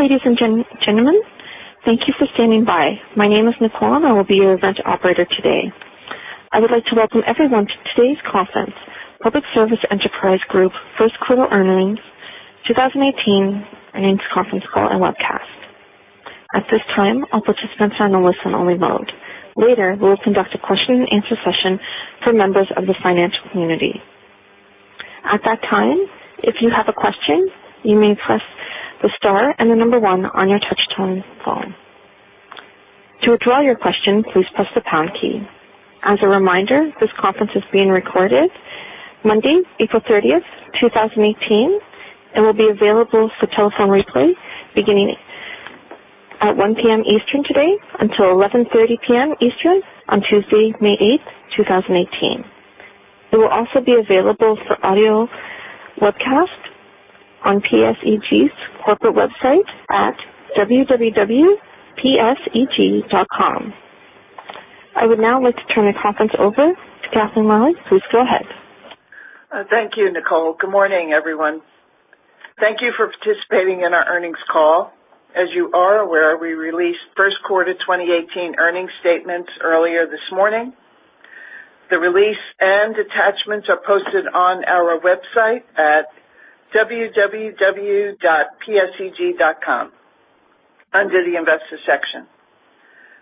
Ladies and gentlemen, thank you for standing by. My name is Nicole, and I will be your event operator today. I would like to welcome everyone to today's conference, Public Service Enterprise Group First Quarter Earnings 2018 Earnings Conference Call and Webcast. At this time, all participants are on a listen-only mode. Later, we will conduct a question-and-answer session for members of the financial community. At that time, if you have a question, you may press the star and the number one on your touch-tone phone. To withdraw your question, please press the pound key. As a reminder, this conference is being recorded Monday, April 30th, 2018, and will be available for telephone replay beginning at 1:00 P.M. Eastern today until 11:30 P.M. Eastern on Tuesday, May 8th, 2018. It will also be available for audio webcast on PSEG's corporate website at www.pseg.com. I would now like to turn the conference over to Kathleen Murray. Please go ahead. Thank you, Nicole. Good morning, everyone. Thank you for participating in our earnings call. As you are aware, we released first quarter 2018 earnings statements earlier this morning. The release and attachments are posted on our website at www.pseg.com under the investor section.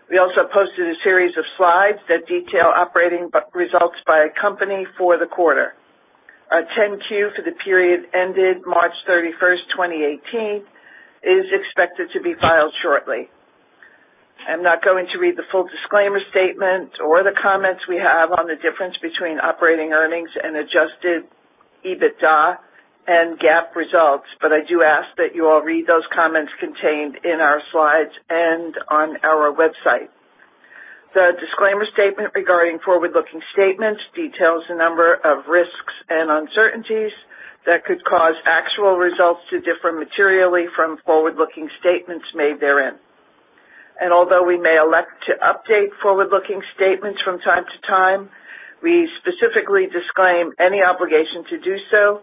We also posted a series of slides that detail operating results by a company for the quarter. Our 10-Q for the period ended March 31st, 2018, is expected to be filed shortly. I am not going to read the full disclaimer statement or the comments we have on the difference between operating earnings and adjusted EBITDA and GAAP results. I do ask that you all read those comments contained in our slides and on our website. The disclaimer statement regarding forward-looking statements details a number of risks and uncertainties that could cause actual results to differ materially from forward-looking statements made therein. Although we may elect to update forward-looking statements from time to time, we specifically disclaim any obligation to do so,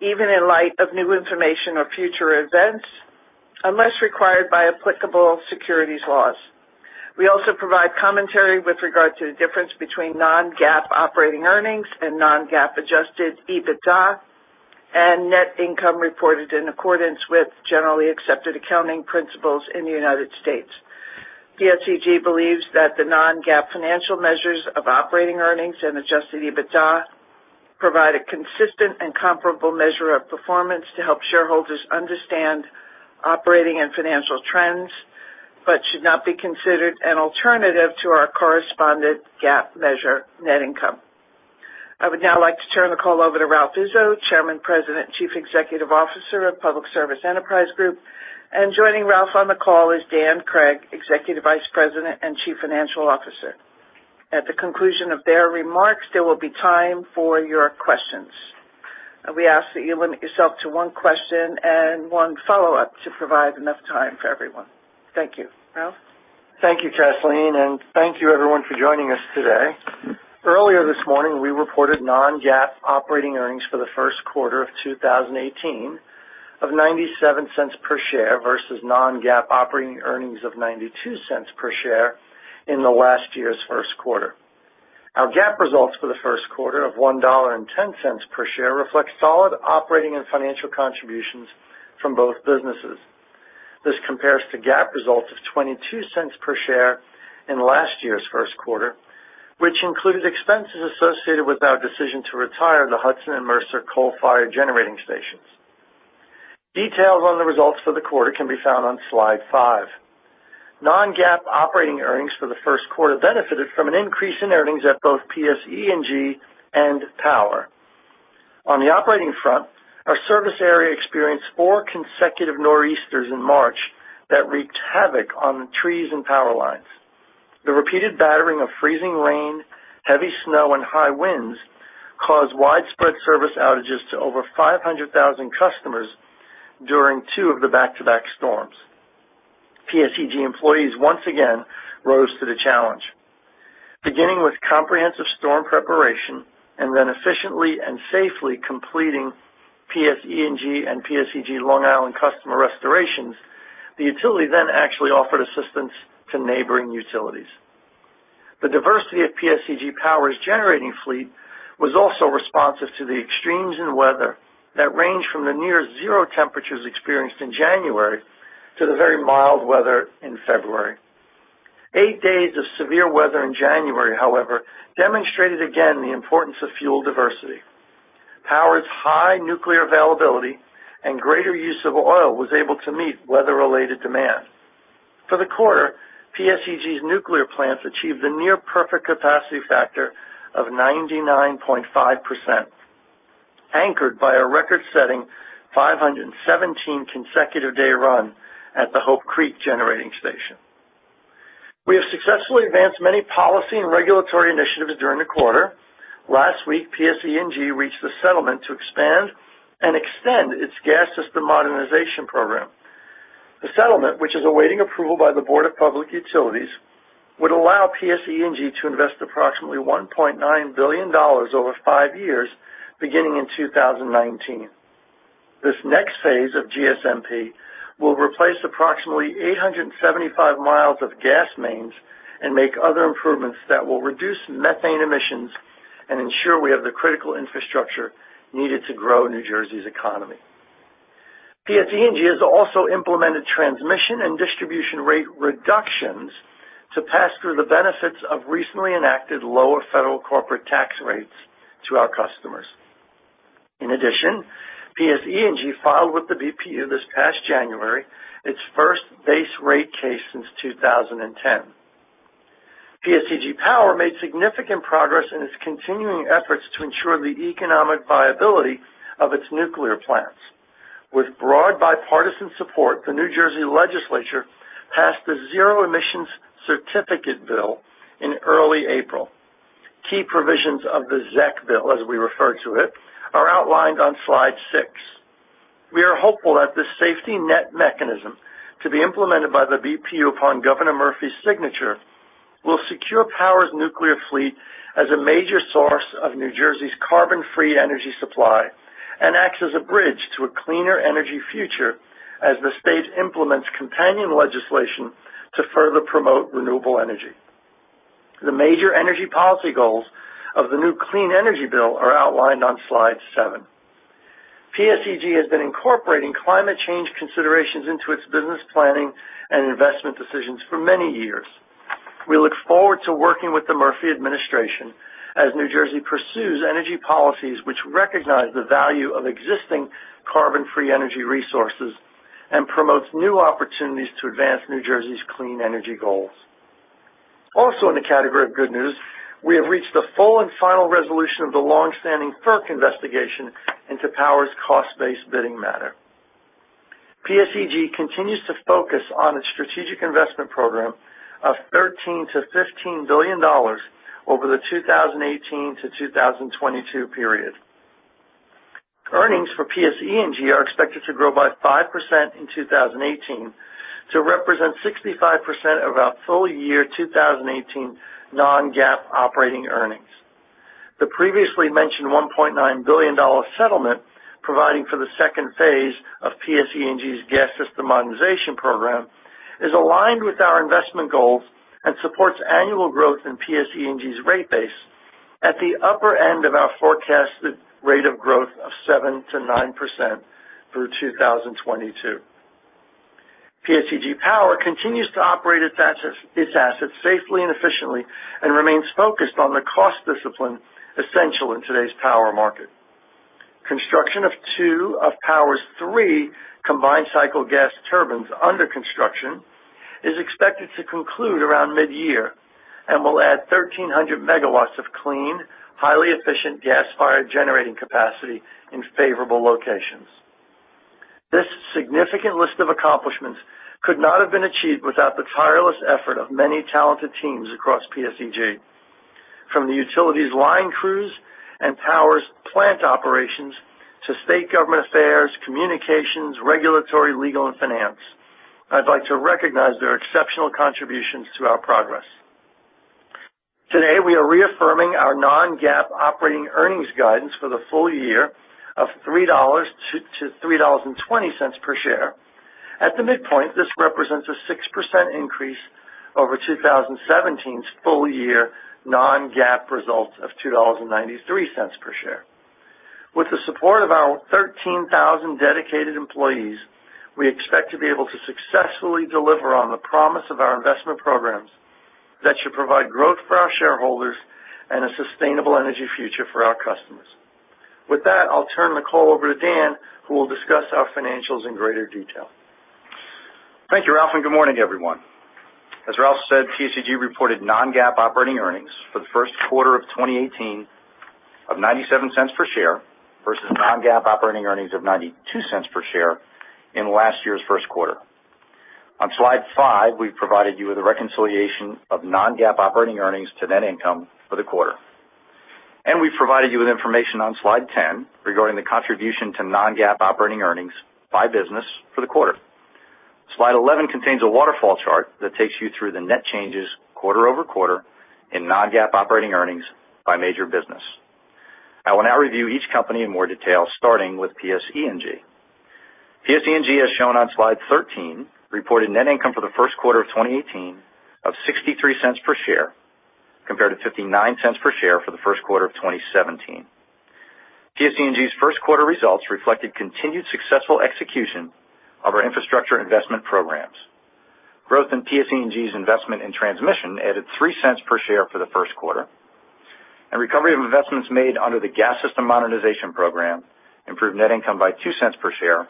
even in light of new information or future events, unless required by applicable securities laws. We also provide commentary with regard to the difference between non-GAAP operating earnings and non-GAAP adjusted EBITDA and net income reported in accordance with Generally Accepted Accounting Principles in the United States. PSEG believes that the non-GAAP financial measures of operating earnings and adjusted EBITDA provide a consistent and comparable measure of performance to help shareholders understand operating and financial trends but should not be considered an alternative to our correspondent GAAP measure net income. I would now like to turn the call over to Ralph Izzo, Chairman, President, and Chief Executive Officer of Public Service Enterprise Group, and joining Ralph on the call is Dan Cregg, Executive Vice President and Chief Financial Officer. At the conclusion of their remarks, there will be time for your questions. We ask that you limit yourself to one question and one follow-up to provide enough time for everyone. Thank you. Ralph? Thank you, Kathleen, and thank you, everyone, for joining us today. Earlier this morning, we reported non-GAAP operating earnings for the first quarter of 2018 of $0.97 per share versus non-GAAP operating earnings of $0.92 per share in last year's first quarter. Our GAAP results for the first quarter of $1.10 per share reflect solid operating and financial contributions from both businesses. This compares to GAAP results of $0.22 per share in last year's first quarter, which included expenses associated with our decision to retire the Hudson and Mercer coal-fired generating stations. Details on the results for the quarter can be found on slide five. Non-GAAP operating earnings for the first quarter benefited from an increase in earnings at both PSEG and Power. On the operating front, our service area experienced four consecutive nor'easters in March that wreaked havoc on trees and power lines. The repeated battering of freezing rain, heavy snow, and high winds caused widespread service outages to over 500,000 customers during two of the back-to-back storms. PSEG employees once again rose to the challenge. Beginning with comprehensive storm preparation and then efficiently and safely completing PSEG and PSEG Long Island customer restorations, the utility then actually offered assistance to neighboring utilities. The diversity of PSEG Power's generating fleet was also responsive to the extremes in weather that ranged from the near-zero temperatures experienced in January to the very mild weather in February. Eight days of severe weather in January, however, demonstrated again the importance of fuel diversity. Power's high nuclear availability and greater use of oil was able to meet weather-related demand. For the quarter, PSEG's nuclear plants achieved a near-perfect capacity factor of 99.5%, anchored by a record-setting 517 consecutive day run at the Hope Creek generating station. We have successfully advanced many policy and regulatory initiatives during the quarter. Last week, PSEG reached the settlement to expand and extend its Gas System Modernization Program. The settlement, which is awaiting approval by the Board of Public Utilities would allow PSE&G to invest approximately $1.9 billion over five years beginning in 2019. This next phase of GSMP will replace approximately 875 miles of gas mains and make other improvements that will reduce methane emissions and ensure we have the critical infrastructure needed to grow New Jersey's economy. PSE&G has also implemented transmission and distribution rate reductions to pass through the benefits of recently enacted lower federal corporate tax rates to our customers. In addition, PSE&G filed with the BPU this past January, its first base rate case since 2010. PSEG Power made significant progress in its continuing efforts to ensure the economic viability of its nuclear plants. With broad bipartisan support, the New Jersey Legislature passed the Zero Emissions Certificate bill in early April. Key provisions of the ZEC bill, as we refer to it, are outlined on slide six. We are hopeful that this safety net mechanism to be implemented by the BPU upon Governor Murphy's signature, will secure Power's nuclear fleet as a major source of New Jersey's carbon-free energy supply and acts as a bridge to a cleaner energy future as the state implements companion legislation to further promote renewable energy. The major energy policy goals of the new Clean Energy Bill are outlined on slide seven. PSEG has been incorporating climate change considerations into its business planning and investment decisions for many years. We look forward to working with the Murphy administration as New Jersey pursues energy policies which recognize the value of existing carbon-free energy resources and promotes new opportunities to advance New Jersey's clean energy goals. Also, in the category of good news, we have reached the full and final resolution of the longstanding FERC investigation into Power's cost-based bidding matter. PSEG continues to focus on its strategic investment program of $13 billion-$15 billion over the 2018 to 2022 period. Earnings for PSE&G are expected to grow by 5% in 2018 to represent 65% of our full year 2018 non-GAAP operating earnings. The previously mentioned $1.9 billion settlement, providing for the phase 2 of PSE&G's Gas System Modernization Program, is aligned with our investment goals and supports annual growth in PSE&G's rate base at the upper end of our forecasted rate of growth of 7%-9% through 2022. PSEG Power continues to operate its assets safely and efficiently and remains focused on the cost discipline essential in today's power market. Construction of two of Power's three combined cycle gas turbines under construction is expected to conclude around mid-year and will add 1,300 megawatts of clean, highly efficient gas-fired generating capacity in favorable locations. This significant list of accomplishments could not have been achieved without the tireless effort of many talented teams across PSEG, from the utility's line crews and Power's plant operations to state government affairs, communications, regulatory, legal, and finance. I'd like to recognize their exceptional contributions to our progress. Today, we are reaffirming our non-GAAP operating earnings guidance for the full year of $3 to $3.20 per share. At the midpoint, this represents a 6% increase over 2017's full-year non-GAAP results of $2.93 per share. With the support of our 13,000 dedicated employees, we expect to be able to successfully deliver on the promise of our investment programs that should provide growth for our shareholders and a sustainable energy future for our customers. With that, I'll turn the call over to Dan, who will discuss our financials in greater detail. Thank you, Ralph. Good morning, everyone. As Ralph said, PSEG reported non-GAAP operating earnings for the first quarter of 2018 of $0.97 per share versus non-GAAP operating earnings of $0.92 per share in last year's first quarter. On slide five, we've provided you with a reconciliation of non-GAAP operating earnings to net income for the quarter. We've provided you with information on slide 10 regarding the contribution to non-GAAP operating earnings by business for the quarter. Slide 11 contains a waterfall chart that takes you through the net changes quarter-over-quarter in non-GAAP operating earnings by major business. I will now review each company in more detail, starting with PSE&G. PSE&G, as shown on slide 13, reported net income for the first quarter of 2018 of $0.63 per share, compared to $0.59 per share for the first quarter of 2017. PSE&G's first quarter results reflected continued successful execution of our Infrastructure Investment Programs. Growth in PSE&G's investment in transmission added $0.03 per share for the first quarter. Recovery of investments made under the Gas System Modernization Program improved net income by $0.02 per share.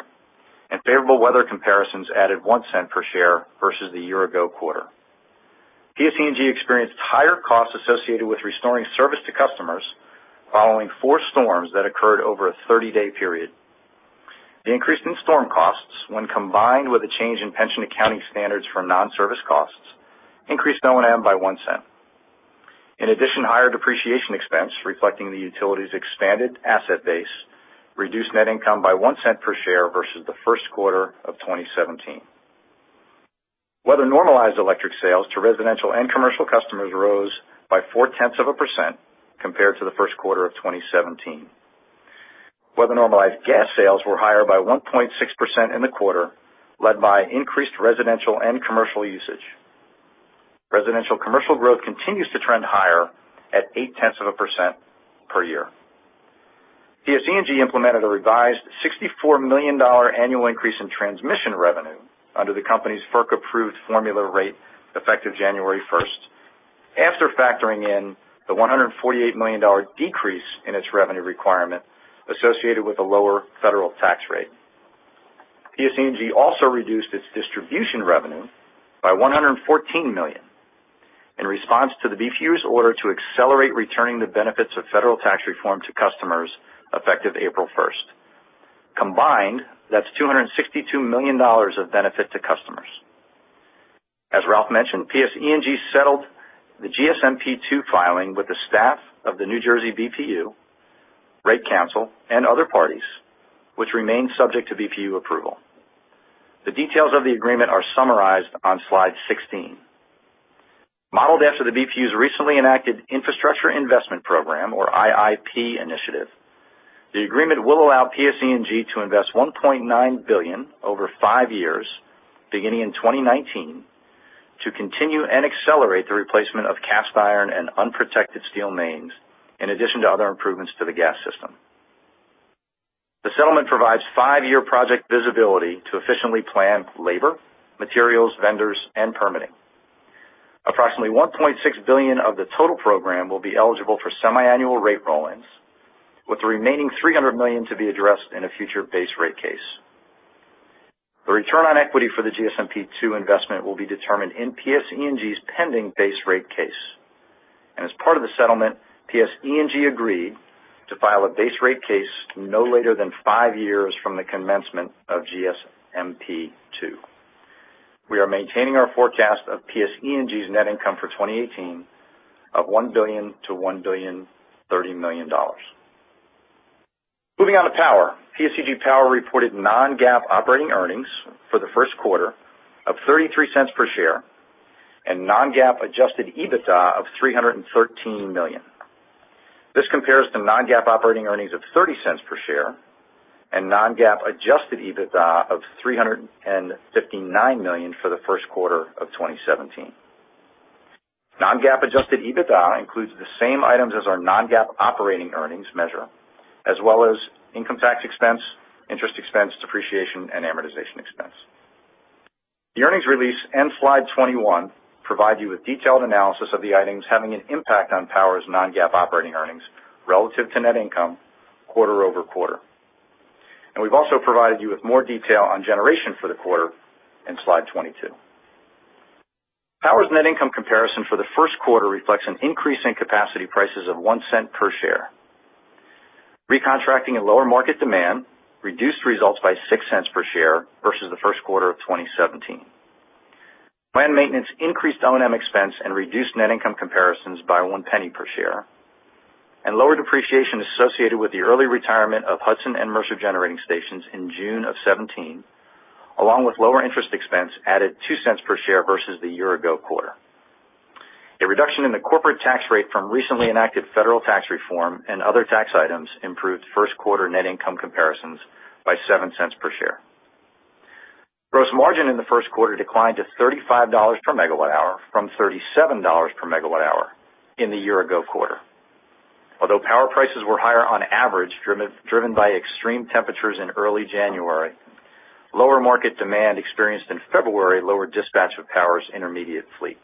Favorable weather comparisons added $0.01 per share versus the year-ago quarter. PSE&G experienced higher costs associated with restoring service to customers following four storms that occurred over a 30-day period. The increase in storm costs, when combined with a change in pension accounting standards for non-service costs, increased O&M by $0.01. Higher depreciation expense reflecting the utility's expanded asset base reduced net income by $0.01 per share versus the first quarter of 2017. Weather-normalized electric sales to residential and commercial customers rose by 0.4% compared to the first quarter of 2017. Weather-normalized gas sales were higher by 1.6% in the quarter, led by increased residential and commercial usage. Residential commercial growth continues to trend higher at 0.8% per year. PSE&G implemented a revised $64 million annual increase in transmission revenue under the company's FERC-approved formula rate effective January 1st, after factoring in the $148 million decrease in its revenue requirement associated with a lower federal tax rate. PSE&G reduced its distribution revenue by $114 million in response to the BPU's order to accelerate returning the benefits of federal tax reform to customers effective April 1st. Combined, that's $262 million of benefit to customers. As Ralph mentioned, PSE&G settled the GSMP2 filing with the staff of the New Jersey BPU, Rate Council, and other parties, which remains subject to BPU approval. The details of the agreement are summarized on slide 16. Modeled after the BPU's recently enacted Infrastructure Investment Program, or IIP initiative, the agreement will allow PSE&G to invest $1.9 billion over five years, beginning in 2019, to continue and accelerate the replacement of cast iron and unprotected steel mains, in addition to other improvements to the gas system. The settlement provides five-year project visibility to efficiently plan labor, materials, vendors, and permitting. Approximately $1.6 billion of the total program will be eligible for semiannual rate roll-ins, with the remaining $300 million to be addressed in a future base rate case. The return on equity for the GSMP2 investment will be determined in PSE&G's pending base rate case. As part of the settlement, PSE&G agreed to file a base rate case no later than five years from the commencement of GSMP2. We are maintaining our forecast of PSE&G's net income for 2018 of $1 billion-$1.03 billion. Moving on to Power. PSEG Power reported non-GAAP operating earnings for the first quarter of $0.33 per share and non-GAAP adjusted EBITDA of $313 million. This compares to non-GAAP operating earnings of $0.30 per share and non-GAAP adjusted EBITDA of $359 million for the first quarter of 2017. Non-GAAP adjusted EBITDA includes the same items as our non-GAAP operating earnings measure, as well as income tax expense, interest expense, depreciation, and amortization expense. The earnings release and slide 21 provide you with detailed analysis of the items having an impact on Power's non-GAAP operating earnings relative to net income quarter-over-quarter. We've also provided you with more detail on generation for the quarter in slide 22. Power's net income comparison for the first quarter reflects an increase in capacity prices of $0.01 per share. Recontracting and lower market demand reduced results by $0.06 per share versus the first quarter of 2017. Planned maintenance increased O&M expense and reduced net income comparisons by $0.01 per share, and lower depreciation associated with the early retirement of Hudson and Mercer generating stations in June of 2017, along with lower interest expense, added $0.02 per share versus the year ago quarter. A reduction in the corporate tax rate from recently enacted federal tax reform and other tax items improved first quarter net income comparisons by $0.07 per share. Gross margin in the first quarter declined to $35 per megawatt hour from $37 per megawatt hour in the year ago quarter. Although power prices were higher on average, driven by extreme temperatures in early January, lower market demand experienced in February lowered dispatch of Power's intermediate fleet.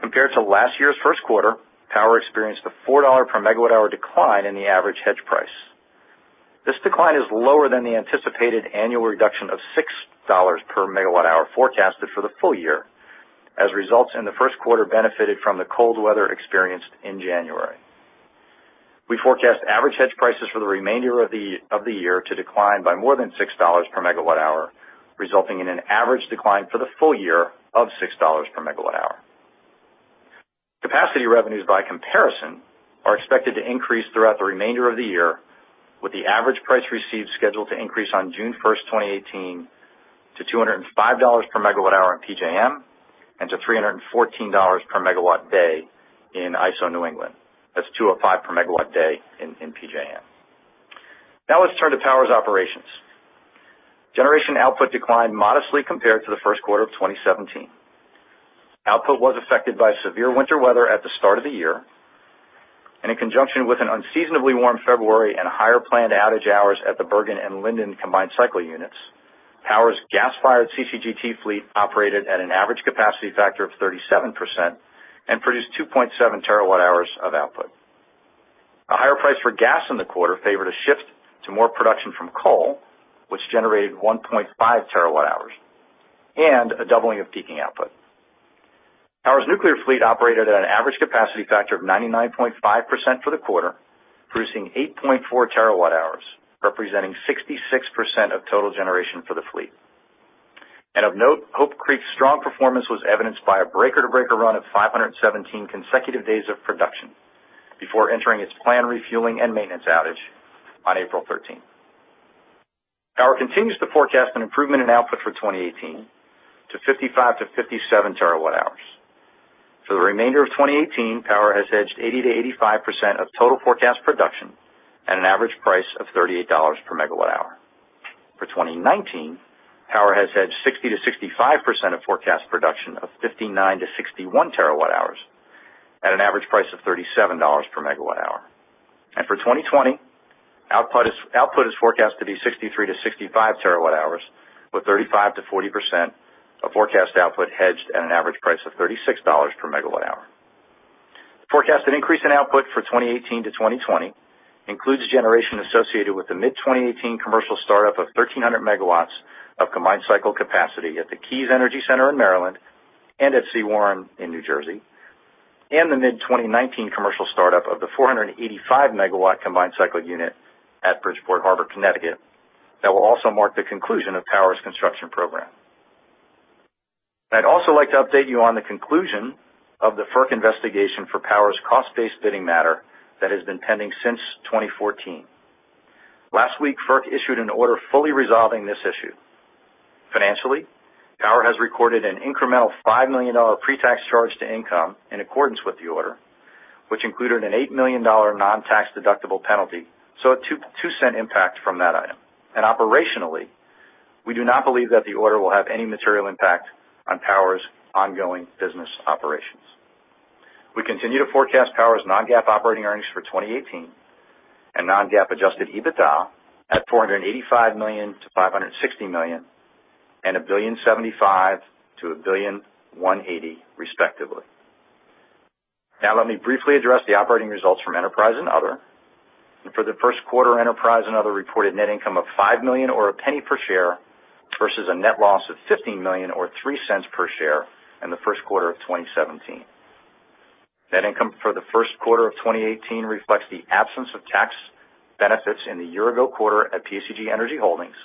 Compared to last year's first quarter, Power experienced a $4 per megawatt hour decline in the average hedge price. This decline is lower than the anticipated annual reduction of $6 per megawatt hour forecasted for the full year, as results in the first quarter benefited from the cold weather experienced in January. We forecast average hedge prices for the remainder of the year to decline by more than $6 per megawatt hour, resulting in an average decline for the full year of $6 per megawatt hour. Capacity revenues, by comparison, are expected to increase throughout the remainder of the year, with the average price received scheduled to increase on June 1st, 2018 to $205 per megawatt hour in PJM and to $314 per megawatt day in ISO New England. That's 205 per megawatt day in PJM. Now let's turn to Power's operations. Generation output declined modestly compared to the first quarter of 2017. Output was affected by severe winter weather at the start of the year. In conjunction with an unseasonably warm February and higher planned outage hours at the Bergen and Linden combined cycle units, Power's gas-fired CCGT fleet operated at an average capacity factor of 37% and produced 2.7 terawatt-hours of output. A higher price for gas in the quarter favored a shift to more production from coal, which generated 1.5 terawatt-hours, and a doubling of peaking output. Power's nuclear fleet operated at an average capacity factor of 99.5% for the quarter, producing 8.4 terawatt-hours, representing 66% of total generation for the fleet. Of note, Hope Creek's strong performance was evidenced by a breaker-to-breaker run of 517 consecutive days of production before entering its planned refueling and maintenance outage on April 13. Power continues to forecast an improvement in output for 2018 to 55-57 terawatt-hours. For the remainder of 2018, Power has hedged 80%-85% of total forecast production at an average price of $38 per megawatt-hour. For 2019, Power has hedged 60%-65% of forecast production of 59-61 terawatt-hours at an average price of $37 per megawatt-hour. For 2020, output is forecast to be 63-65 terawatt-hours, with 35%-40% of forecast output hedged at an average price of $36 per megawatt-hour. The forecasted increase in output for 2018 to 2020 includes generation associated with the mid-2018 commercial startup of 1,300 megawatts of combined cycle capacity at the Keys Energy Center in Maryland and at Sewaren in New Jersey, and the mid-2019 commercial startup of the 485-megawatt combined-cycle unit at Bridgeport Harbor, Connecticut. That will also mark the conclusion of Power's construction program. I'd also like to update you on the conclusion of the FERC investigation for Power's cost-based bidding matter that has been pending since 2014. Last week, FERC issued an order fully resolving this issue. Financially, Power has recorded an incremental $5 million pre-tax charge to income in accordance with the order, which included an $8 million non-tax-deductible penalty, so a $0.02 impact from that item. Operationally, we do not believe that the order will have any material impact on Power's ongoing business operations. We continue to forecast Power's non-GAAP operating earnings for 2018 and non-GAAP adjusted EBITDA at $485 million-$560 million and $1.075 billion-$1.180 billion, respectively. Let me briefly address the operating results from PSEG Enterprise and Other. For the first quarter, PSEG Enterprise and Other reported net income of $5 million or a $0.01 per share, versus a net loss of $15 million or $0.03 per share in the first quarter of 2017. Net income for the first quarter of 2018 reflects the absence of tax benefits in the year-ago quarter at PSEG Energy Holdings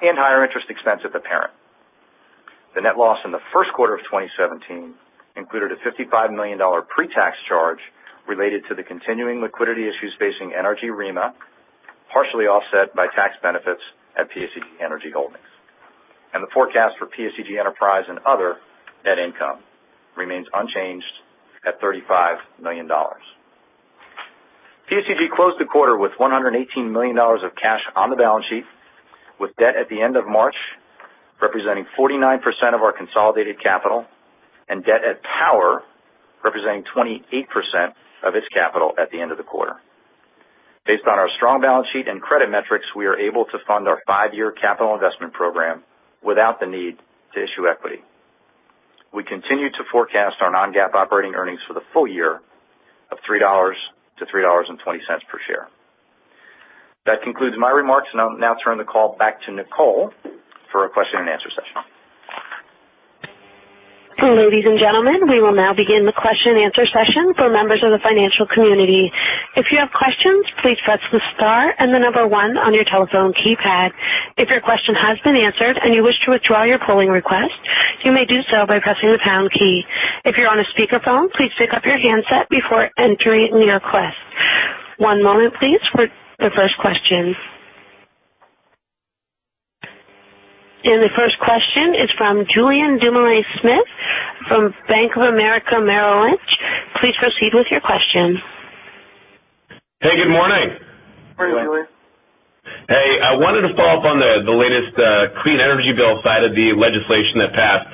and higher interest expense at the parent. The net loss in the first quarter of 2017 included a $55 million pre-tax charge related to the continuing liquidity issues facing NRG REMA, partially offset by tax benefits at PSEG Energy Holdings. The forecast for PSEG Enterprise and Other net income remains unchanged at $35 million. PSEG closed the quarter with $118 million of cash on the balance sheet, with debt at the end of March representing 49% of our consolidated capital and debt at Power representing 28% of its capital at the end of the quarter. Based on our strong balance sheet and credit metrics, we are able to fund our five-year capital investment program without the need to issue equity. We continue to forecast our non-GAAP operating earnings for the full year of $3-$3.20 per share. That concludes my remarks, and I'll now turn the call back to Nicole for a question and answer session. Ladies and gentlemen, we will now begin the question and answer session for members of the financial community. If you have questions, please press the star and the number one on your telephone keypad. If your question has been answered and you wish to withdraw your polling request, you may do so by pressing the pound key. If you're on a speakerphone, please pick up your handset before entering your request. One moment please for the first question. The first question is from Julien Dumoulin-Smith from Bank of America Merrill Lynch. Please proceed with your question. Hey, good morning. Morning, Julien. Hey, I wanted to follow up on the latest clean energy bill side of the legislation that passed.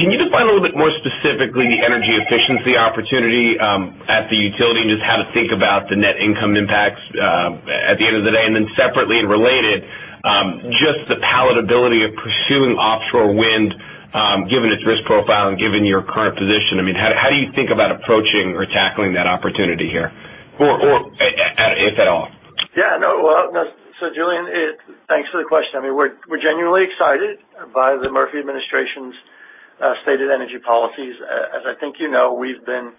Can you define a little bit more specifically the energy efficiency opportunity at the utility and just how to think about the net income impacts at the end of the day? Then separately and related, just the palatability of pursuing offshore wind, given its risk profile and given your current position. How do you think about approaching or tackling that opportunity here, or if at all? Julien, thanks for the question. We're genuinely excited by the Murphy administration's stated energy policies. As you know, we've been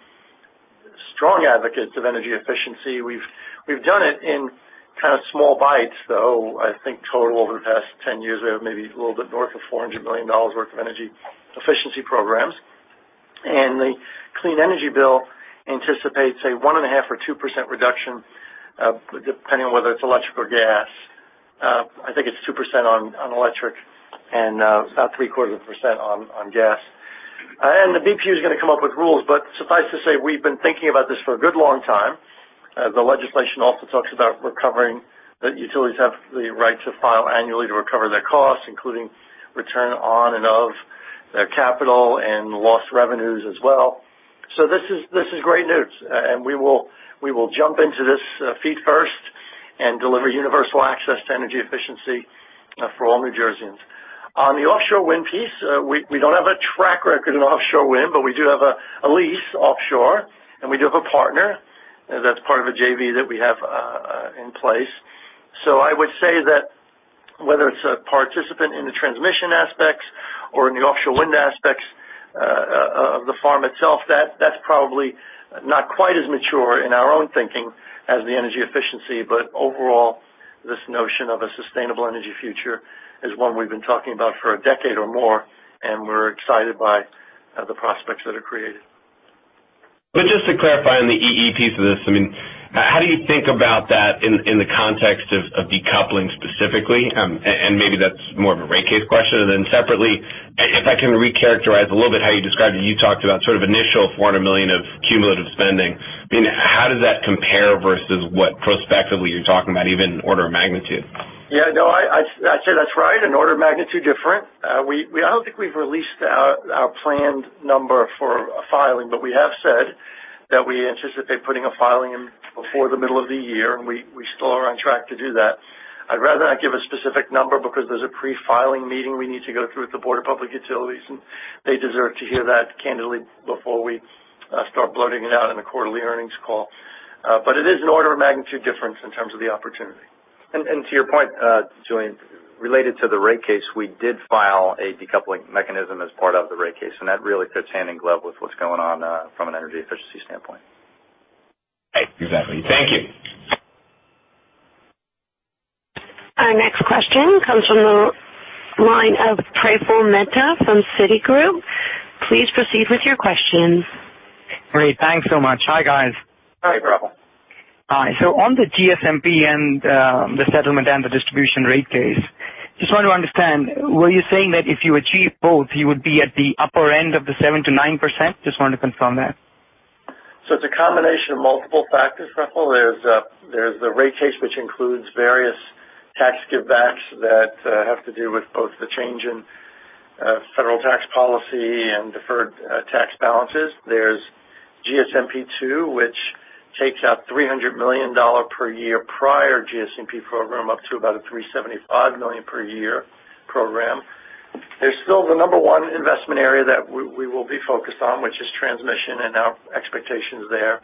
strong advocates of energy efficiency. We've done it in kind of small bites, though I think total over the past 10 years, we have maybe a little bit north of $400 million worth of energy efficiency programs. The Clean Energy Act anticipates a 1.5% or 2% reduction, depending on whether it's electric or gas. I think it's 2% on electric and about three-quarters of a percent on gas. The BPU is going to come up with rules, but suffice to say, we've been thinking about this for a good long time. The legislation also talks about recovering, that utilities have the right to file annually to recover their costs, including return on and of their capital and lost revenues as well. This is great news, and we will jump into this feet first and deliver universal access to energy efficiency for all New Jerseyans. On the offshore wind piece, we don't have a track record in offshore wind, but we do have a lease offshore, and we do have a partner, that's part of a JV that we have in place. I would say that whether it's a participant in the transmission aspects or in the offshore wind aspects Of the farm itself. That's probably not quite as mature in our own thinking as the energy efficiency. Overall, this notion of a sustainable energy future is one we've been talking about for a decade or more, and we're excited by the prospects that are created. Just to clarify on the EE piece of this, how do you think about that in the context of decoupling specifically? Maybe that's more of a rate case question. Separately, if I can recharacterize a little bit how you described it, you talked about sort of initial $400 million of cumulative spending. How does that compare versus what prospectively you're talking about, even order of magnitude? Yeah. No, I'd say that's right, an order of magnitude different. I don't think we've released our planned number for a filing, but we have said that we anticipate putting a filing in before the middle of the year, and we still are on track to do that. I'd rather not give a specific number because there's a pre-filing meeting we need to go through at the Board of Public Utilities, and they deserve to hear that candidly before we start bloating it out in the quarterly earnings call. It is an order of magnitude difference in terms of the opportunity. To your point, Julien, related to the rate case, we did file a decoupling mechanism as part of the rate case, and that really fits hand in glove with what's going on from an energy efficiency standpoint. Right. Exactly. Thank you. Our next question comes from the line of Praful Mehta from Citigroup. Please proceed with your questions. Great. Thanks so much. Hi, guys. Hi, Praful. Hi. On the GSMP and the settlement and the distribution rate case, just wanted to understand, were you saying that if you achieve both, you would be at the upper end of the 7%-9%? Just wanted to confirm that. It's a combination of multiple factors, Praful. There's the rate case, which includes various tax givebacks that have to do with both the change in federal tax policy and deferred tax balances. There's GSMP2, which takes out $300 million per year prior GSMP program up to about a $375 million per year program. There's still the number one investment area that we will be focused on, which is transmission and our expectations there.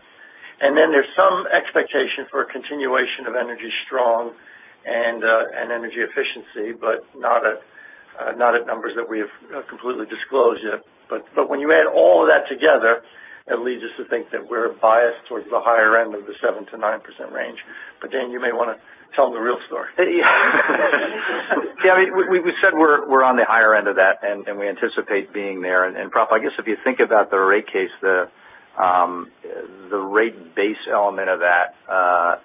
Then there's some expectation for a continuation of Energy Strong and energy efficiency, but not at numbers that we have completely disclosed yet. When you add all of that together, it leads us to think that we're biased towards the higher end of the 7%-9% range. Dan, you may want to tell them the real story. Yeah. We said we're on the higher end of that, and we anticipate being there. Praful, I guess if you think about the rate case, the rate base element of that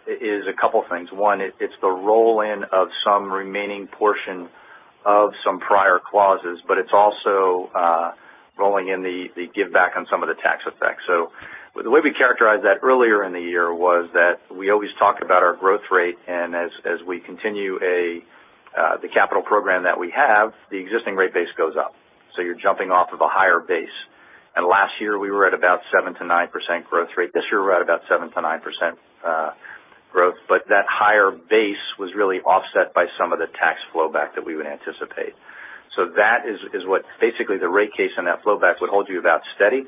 is a couple things. One, it's the roll-in of some remaining portion of some prior clauses, but it's also rolling in the give back on some of the tax effects. The way we characterized that earlier in the year was that we always talked about our growth rate, and as we continue the capital program that we have, the existing rate base goes up. You're jumping off of a higher base. Last year, we were at about 7%-9% growth rate. This year, we're at about 7%-9% growth. That higher base was really offset by some of the tax flow back that we would anticipate. That is what basically the rate case and that flow back would hold you about steady.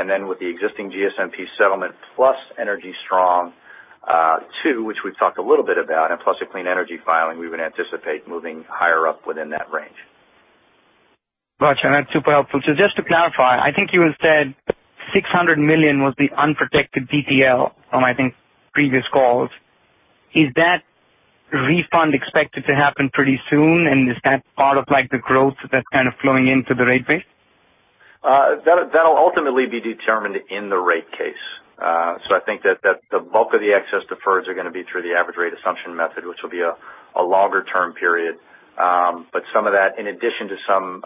With the existing GSMP settlement plus Energy Strong II, which we've talked a little bit about, and plus a clean energy filing, we would anticipate moving higher up within that range. Got you. That's super helpful. Just to clarify, I think you had said $600 million was the unprotected DTL from, I think, previous calls. Is that refund expected to happen pretty soon? Is that part of the growth that's kind of flowing into the rate base? That'll ultimately be determined in the rate case. I think that the bulk of the excess deferreds are going to be through the average rate assumption method, which will be a longer-term period. Some of that, in addition to some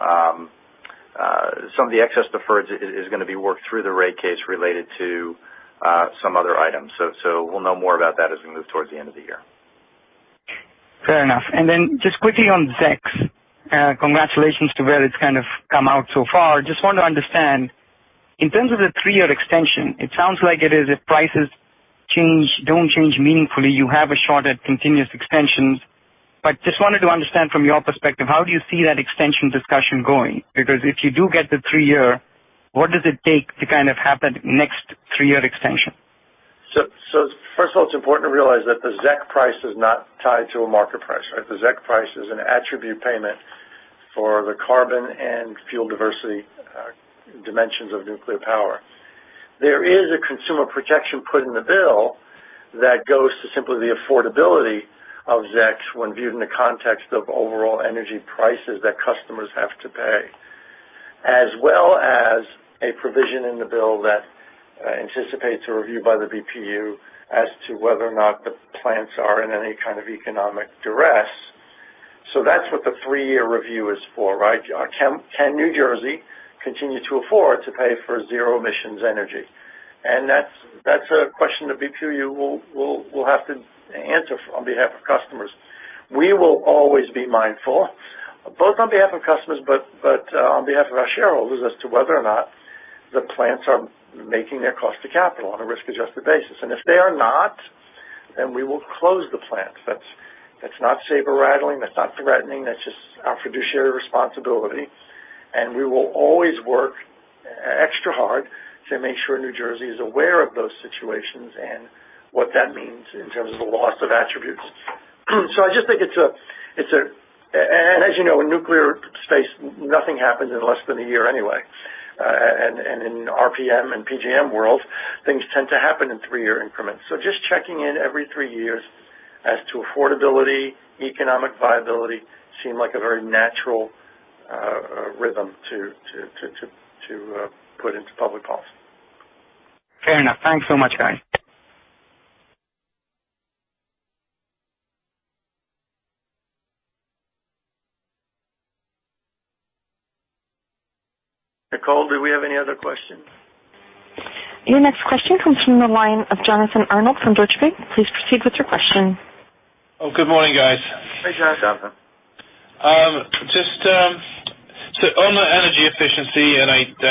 of the excess deferreds, is going to be worked through the rate case related to some other items. We'll know more about that as we move towards the end of the year. Fair enough. Just quickly on ZEC. Congratulations to where it's kind of come out so far. Just wanted to understand, in terms of the 3-year extension, it sounds like it is if prices don't change meaningfully, you have a shot at continuous extensions. Just wanted to understand from your perspective, how do you see that extension discussion going? Because if you do get the 3-year, what does it take to kind of happen next 3-year extension? First of all, it's important to realize that the ZEC price is not tied to a market price, right? The ZEC price is an attribute payment for the carbon and fuel diversity dimensions of nuclear power. There is a consumer protection put in the bill that goes to simply the affordability of ZEC when viewed in the context of overall energy prices that customers have to pay, as well as a provision in the bill that anticipates a review by the BPU as to whether or not the plants are in any kind of economic duress. That's what the 3-year review is for, right? Can New Jersey continue to afford to pay for zero emissions energy? That's a question the BPU will have to answer on behalf of customers. We will always be mindful, both on behalf of customers, but on behalf of our shareholders as to whether or not the plants are making their cost to capital on a risk-adjusted basis. If they are not, then we will close the plants. That's not saber-rattling, that's not threatening. That's just our fiduciary responsibility. We will always work extra hard to make sure New Jersey is aware of those situations and what that means in terms of the loss of attributes. I just think, as you know, in nuclear space, nothing happens in less than a year anyway. In RPM and PJM world, things tend to happen in 3-year increments. Just checking in every 3 years as to affordability, economic viability, seem like a very natural rhythm to put into public policy. Fair enough. Thanks so much, guys. Nicole, do we have any other questions? Your next question comes from the line of Jonathan Arnold from Deutsche Bank. Please proceed with your question. Oh, good morning, guys. Hey, Jonathan. On the energy efficiency, I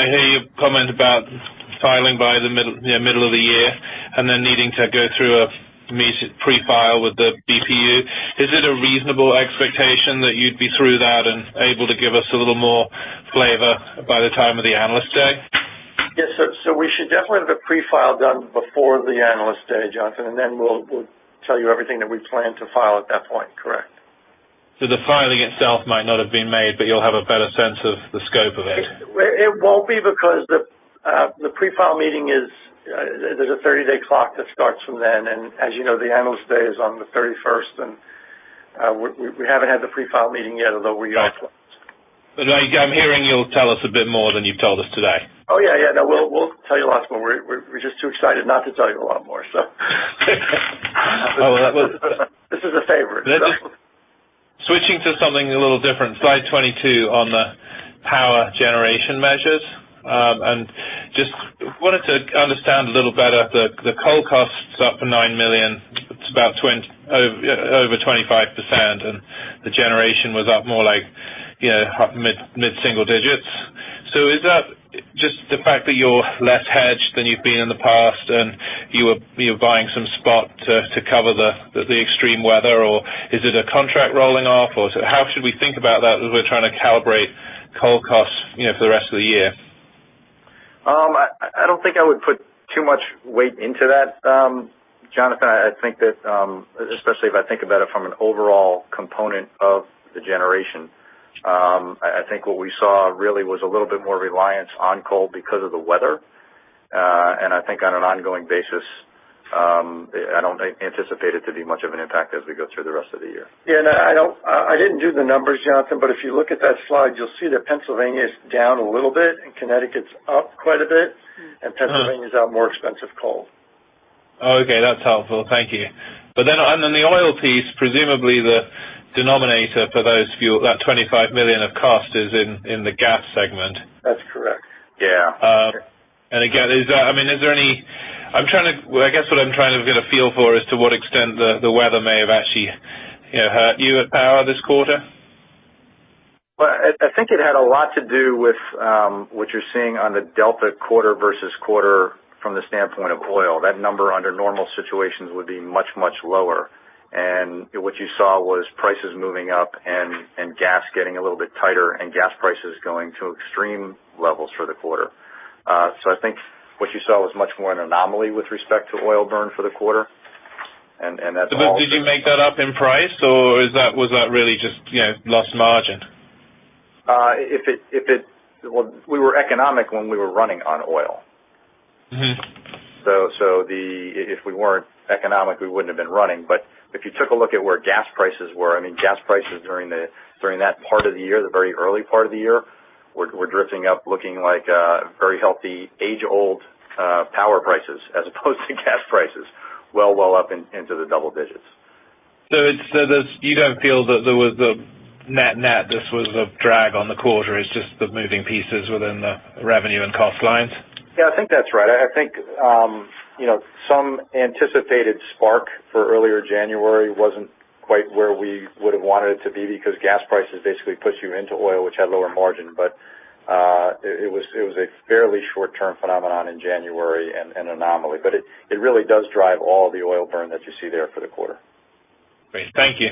hear your comment about filing by the middle of the year and then needing to go through a pre-file with the BPU. Is it a reasonable expectation that you'd be through that and able to give us a little more flavor by the time of the Analyst Day? Yes, we should definitely have the pre-file done before the Analyst Day, Jonathan. We'll tell you everything that we plan to file at that point, correct. The filing itself might not have been made, you'll have a better sense of the scope of it. It won't be because the pre-file meeting is, there's a 30-day clock that starts from then. As you know, the Analyst Day is on the 31st, we haven't had the pre-file meeting yet, although we are close. I'm hearing you'll tell us a bit more than you've told us today. We'll tell you lots more. We're just too excited not to tell you a lot more. Oh, well- This is a favor. Switching to something a little different, slide 22 on the power generation measures. Just wanted to understand a little better the coal costs up $9 million. It's about over 25%, and the generation was up more like mid-single digits. Is that just the fact that you're less hedged than you've been in the past and you're buying some spot to cover the extreme weather, or is it a contract rolling off, or how should we think about that as we're trying to calibrate coal costs for the rest of the year? I don't think I would put too much weight into that, Jonathan. I think that, especially if I think about it from an overall component of the generation, I think what we saw really was a little bit more reliance on coal because of the weather. I think on an ongoing basis, I don't anticipate it to be much of an impact as we go through the rest of the year. Yeah. I didn't do the numbers, Jonathan. If you look at that slide, you'll see that Pennsylvania's down a little bit and Connecticut's up quite a bit, and Pennsylvania's got more expensive coal. Okay, that's helpful. Thank you. On the oil piece, presumably the denominator for those fuel, that $25 million of cost is in the gas segment. That's correct. Yeah. Again, I guess what I'm trying to get a feel for is to what extent the weather may have actually hurt you at PSEG Power this quarter. Well, I think it had a lot to do with what you're seeing on the delta quarter-over-quarter from the standpoint of oil. That number under normal situations would be much, much lower. What you saw was prices moving up and gas getting a little bit tighter and gas prices going to extreme levels for the quarter. I think what you saw was much more an anomaly with respect to oil burn for the quarter. Did you make that up in price, or was that really just lost margin? We were economic when we were running on oil. If we weren't economic, we wouldn't have been running. If you took a look at where gas prices were, gas prices during that part of the year, the very early part of the year, were drifting up, looking like very healthy wholesale power prices as opposed to gas prices, well up into the double digits. You don't feel that there was a net-net, this was a drag on the quarter. It's just the moving pieces within the revenue and cost lines? Yeah, I think that's right. I think some anticipated spark for earlier January wasn't quite where we would've wanted it to be because gas prices basically push you into oil, which had lower margin. It was a fairly short-term phenomenon in January and an anomaly. It really does drive all the oil burn that you see there for the quarter. Great. Thank you.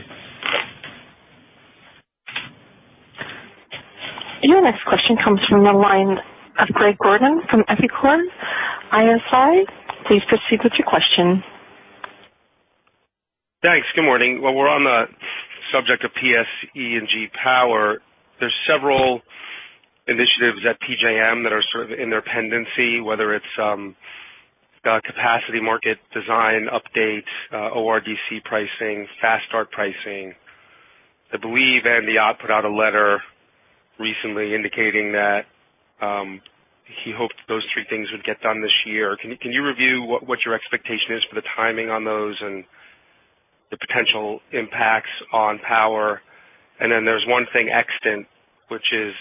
Your next question comes from the line of Greg Gordon from Evercore ISI. Please proceed with your question. Thanks. Good morning. While we are on the subject of PSEG Power, there are several initiatives at PJM that are sort of in their pendency, whether it is capacity market design updates, ORDC pricing, fast-start pricing. I believe Andy Ott put out a letter recently indicating that he hoped those three things would get done this year. Can you review what your expectation is for the timing on those and the potential impacts on power? There is one thing extant, which is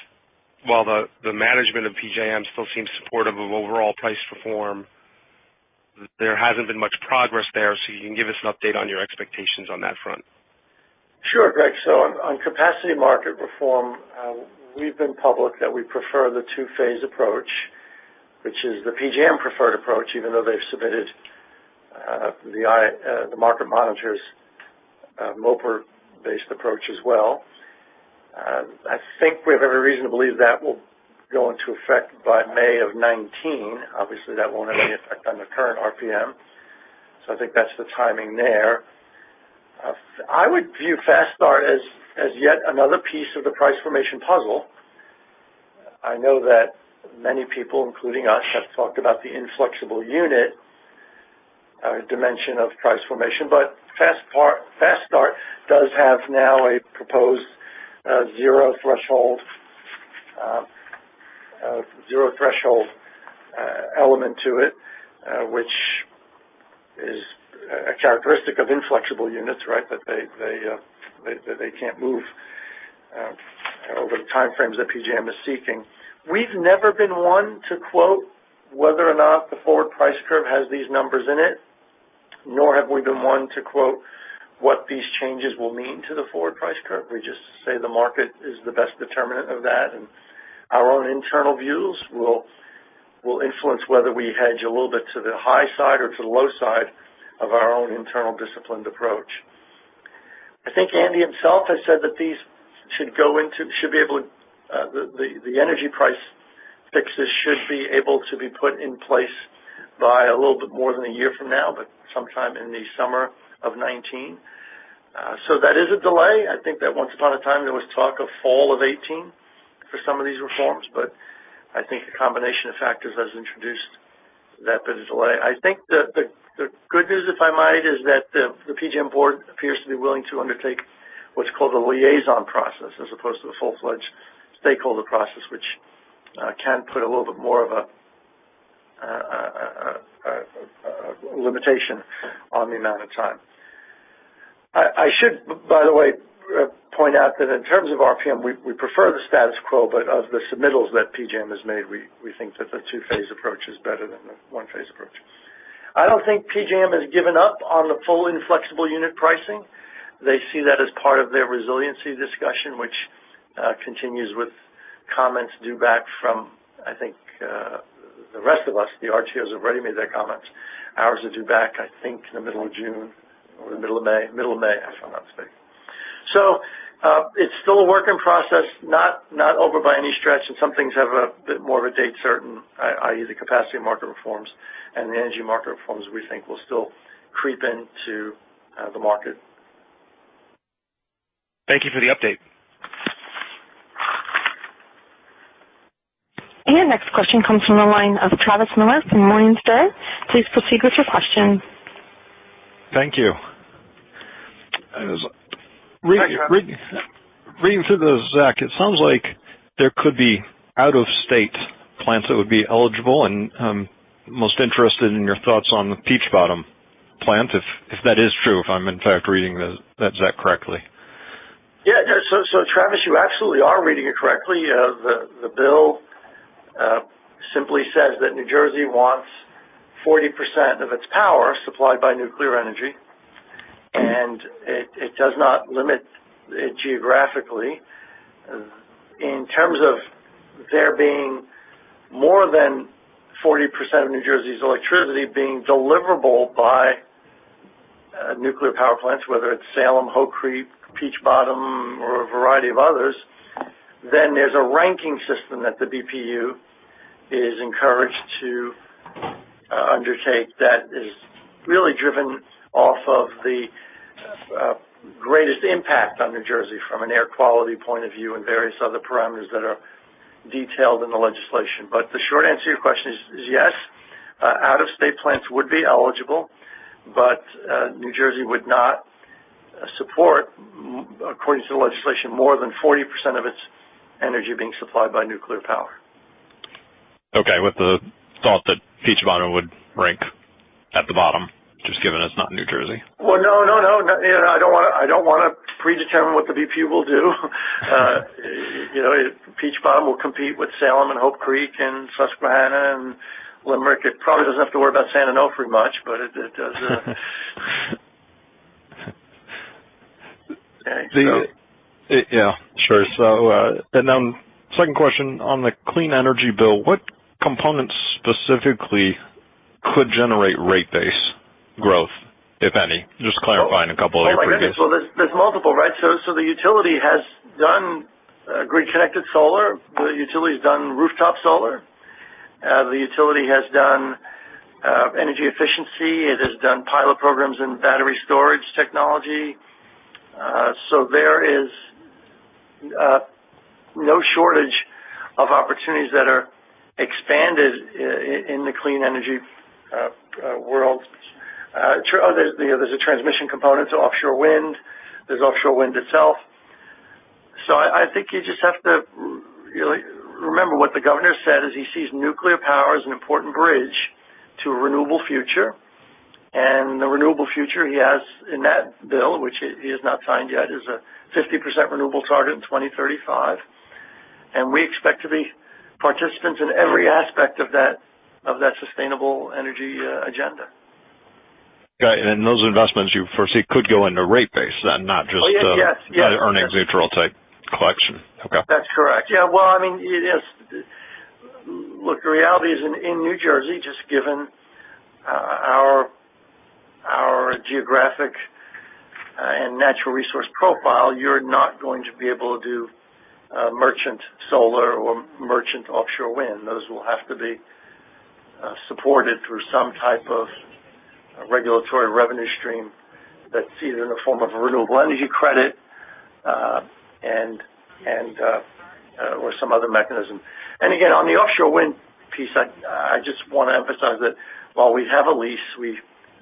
while the management of PJM still seems supportive of overall price reform, there has not been much progress there. You can give us an update on your expectations on that front. Sure, Greg. On capacity market reform, we have been public that we prefer the two-phase approach, which is the PJM preferred approach, even though they have submitted the market monitor's MOPR-based approach as well. I think we have every reason to believe that will go into effect by May of 2019. Obviously, that will not have any effect on the current RPM. I think that is the timing there. I would view Fast Start as yet another piece of the price formation puzzle. I know that many people, including us, have talked about the inflexible unit dimension of price formation. Fast Start does have now a proposed zero threshold element to it, which is a characteristic of inflexible units, that they cannot move over the time frames that PJM is seeking. We've never been one to quote whether or not the forward price curve has these numbers in it, nor have we been one to quote what these changes will mean to the forward price curve. We just say the market is the best determinant of that, and our own internal views will influence whether we hedge a little bit to the high side or to the low side of our own internal disciplined approach. I think Andy Ott himself has said that the energy price fixes should be able to be put in place by a little bit more than a year from now, but sometime in the summer of 2019. That is a delay. I think that once upon a time, there was talk of fall of 2018 for some of these reforms, but I think a combination of factors has introduced that bit of delay. I think the good news, if I might, is that the PJM board appears to be willing to undertake what's called a liaison process as opposed to the full-fledged stakeholder process, which can put a little bit more of a limitation on the amount of time. I should, by the way, point out that in terms of RPM, we prefer the status quo, but of the submittals that PJM has made, we think that the two-phase approach is better than the one-phase approach. I don't think PJM has given up on the full inflexible unit pricing. They see that as part of their resiliency discussion, which continues with comments due back from, I think, the rest of us. The RTOs have already made their comments. Ours are due back, I think, in the middle of June or the middle of May. Middle of May, if I'm not mistaken. It's still a work in process, not over by any stretch, and some things have a bit more of a date certain, i.e., the capacity market reforms, and the energy market reforms, we think, will still creep into the market. Thank you for the update. Next question comes from the line of Travis Miller from Morningstar. Please proceed with your question. Thank you. Hi, Travis. Reading through those, ZEC, it sounds like there could be out-of-state plants that would be eligible, and I'm most interested in your thoughts on the Peach Bottom plant, if that is true, if I'm in fact reading that, ZEC, correctly. Travis, you absolutely are reading it correctly. The bill simply says that New Jersey wants 40% of its power supplied by nuclear energy, it does not limit it geographically. In terms of there being more than 40% of New Jersey's electricity being deliverable by nuclear power plants, whether it's Salem, Hope Creek, Peach Bottom, or a variety of others, there's a ranking system that the BPU is encouraged to undertake that is really driven off of the greatest impact on New Jersey from an air quality point of view and various other parameters that are detailed in the legislation. The short answer to your question is yes, out-of-state plants would be eligible, but New Jersey would not support, according to the legislation, more than 40% of its energy being supplied by nuclear power. Okay. With the thought that Peach Bottom would rank at the bottom, just given it's not in New Jersey. Well, no, I don't want to predetermine what the BPU will do. Peach Bottom will compete with Salem and Hope Creek and Susquehanna and Limerick. It probably doesn't have to worry about Salem, no, very much, but it does Yeah, sure. Second question on the clean energy bill, what components specifically could generate rate base growth, if any? Just clarifying a couple of areas. Oh, my goodness. Well, there's multiple, right? The utility has done grid-connected solar. The utility's done rooftop solar. The utility has done energy efficiency. It has done pilot programs in battery storage technology. There is no shortage of opportunities that are expanded in the clean energy world. There's a transmission component to offshore wind. There's offshore wind itself. I think you just have to really remember what the governor said, is he sees nuclear power as an important bridge to a renewable future. The renewable future he has in that bill, which he has not signed yet, is a 50% renewable target in 2035. We expect to be participants in every aspect of that sustainable energy agenda. Got you. Those investments you foresee could go into rate base then, not just the- Oh, yes earnings neutral type collection. Okay. That's correct. Yeah. Well, look, the reality is in New Jersey, just given geographic and natural resource profile, you're not going to be able to do merchant solar or merchant offshore wind. Those will have to be supported through some type of regulatory revenue stream that's either in the form of a renewable energy credit or some other mechanism. On the offshore wind piece, I just want to emphasize that while we have a lease,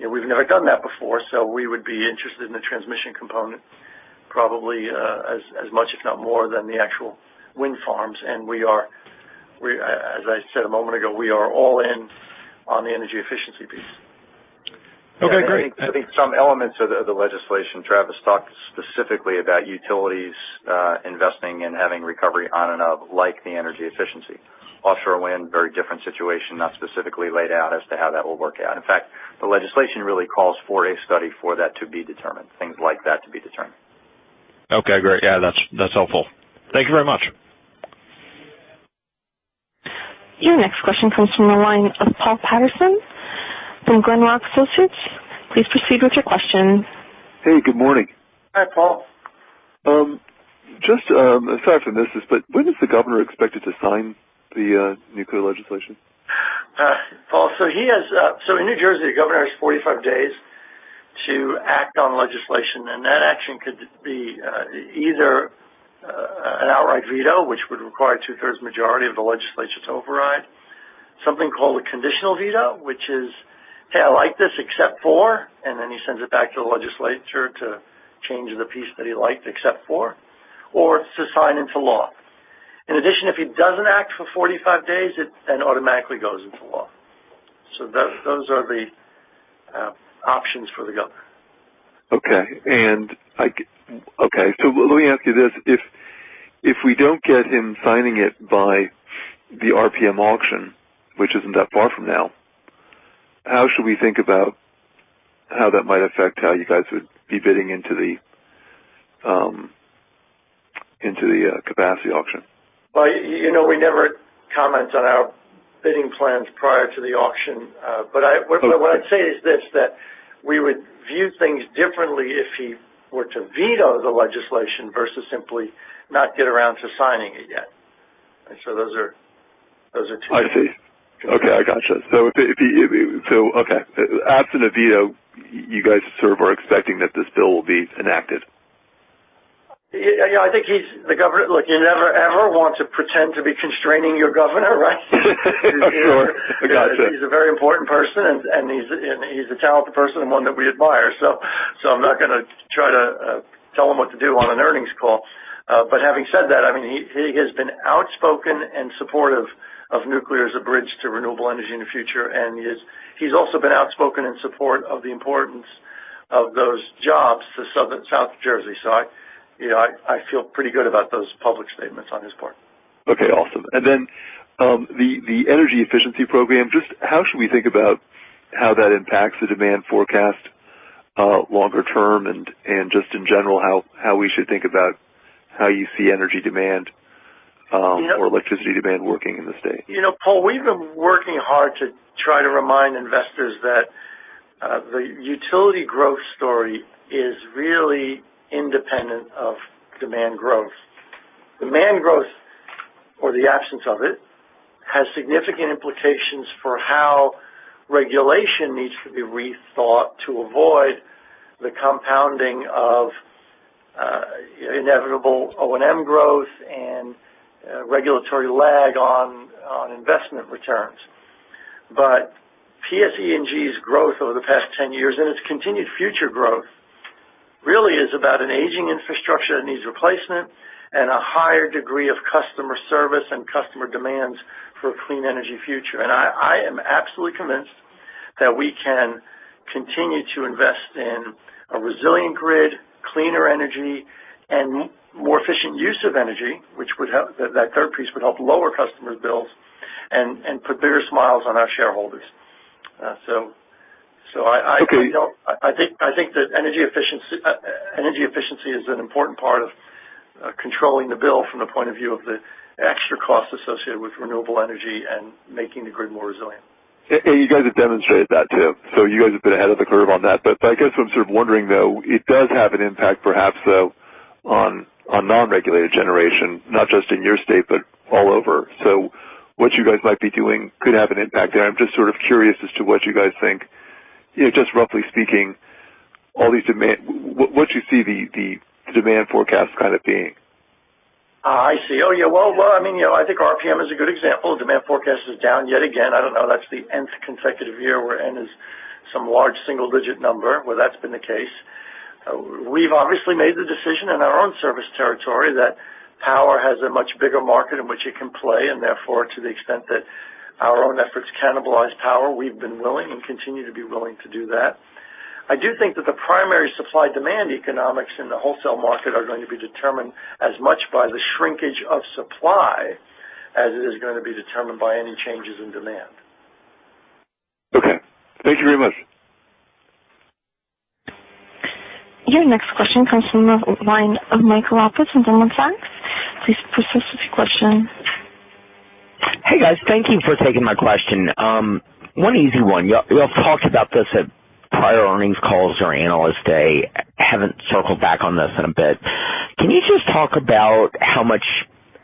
we've never done that before, so we would be interested in the transmission component probably as much, if not more, than the actual wind farms. As I said a moment ago, we are all in on the energy efficiency piece. Okay, great. I think some elements of the legislation, Travis talked specifically about utilities investing and having recovery on and of like the energy efficiency. Offshore wind, very different situation, not specifically laid out as to how that will work out. In fact, the legislation really calls for a study for that to be determined, things like that to be determined. Okay, great. Yeah, that's helpful. Thank you very much. Your next question comes from the line of Paul Patterson from Glenrock Associates. Please proceed with your question. Hey, good morning. Hi, Paul. Just, sorry if I missed this, but when is the governor expected to sign the nuclear legislation? Paul, in New Jersey, the governor has 45 days to act on legislation, and that action could be either an outright veto, which would require a two-thirds majority of the legislature to override. Something called a conditional veto, which is, "Hey, I like this except for," and then he sends it back to the legislature to change the piece that he liked except for, or to sign into law. In addition, if he doesn't act for 45 days, it automatically goes into law. Those are the options for the governor. Okay. Let me ask you this. If we don't get him signing it by the RPM auction, which isn't that far from now, how should we think about how that might affect how you guys would be bidding into the capacity auction? We never comment on our bidding plans prior to the auction. What I'd say is this, that we would view things differently if he were to veto the legislation versus simply not get around to signing it yet. I see. Okay, I gotcha. Okay. Absent a veto, you guys sort of are expecting that this bill will be enacted. You never, ever want to pretend to be constraining your governor, right? Sure. I gotcha. He's a very important person, and he's a talented person and one that we admire. I'm not going to try to tell him what to do on an earnings call. Having said that, he has been outspoken and supportive of nuclear as a bridge to renewable energy in the future, and he's also been outspoken in support of the importance of those jobs to South Jersey. I feel pretty good about those public statements on his part. Okay, awesome. The energy efficiency program, just how should we think about how that impacts the demand forecast longer term, and just in general, how we should think about how you see energy demand? Yeah or electricity demand working in the state? Paul Patterson, we've been working hard to try to remind investors that the utility growth story is really independent of demand growth. Demand growth, or the absence of it, has significant implications for how regulation needs to be rethought to avoid the compounding of inevitable O&M growth and regulatory lag on investment returns. PSEG's growth over the past 10 years and its continued future growth really is about an aging infrastructure that needs replacement and a higher degree of customer service and customer demands for a clean energy future. I am absolutely convinced that we can continue to invest in a resilient grid, cleaner energy, and more efficient use of energy, which that third piece would help lower customers' bills and put bigger smiles on our shareholders. Okay. I think that energy efficiency is an important part of controlling the bill from the point of view of the extra cost associated with renewable energy and making the grid more resilient. You guys have demonstrated that too. You guys have been ahead of the curve on that. I guess I'm sort of wondering, though, it does have an impact, perhaps, though, on non-regulated generation, not just in your state, but all over. What you guys might be doing could have an impact there. I'm just sort of curious as to what you guys think. Just roughly speaking, what you see the demand forecast kind of being. I see. Oh, yeah. Well, I think RPM is a good example. Demand forecast is down yet again. I don't know, that's the nth consecutive year, where n is some large single-digit number, where that's been the case. We've obviously made the decision in our own service territory that power has a much bigger market in which it can play, and therefore, to the extent that our own efforts cannibalize power, we've been willing and continue to be willing to do that. I do think that the primary supply-demand economics in the wholesale market are going to be determined as much by the shrinkage of supply as it is going to be determined by any changes in demand. Okay. Thank you very much. Your next question comes from the line of Michael Roberts from Goldman Sachs. Please proceed with your question. Hey guys, thank you for taking my question. One easy one. You have talked about this at prior earnings calls or Analyst Day. I haven't circled back on this in a bit. Can you just talk about how much